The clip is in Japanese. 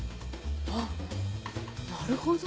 あなるほど。